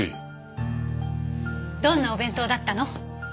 どんなお弁当だったの？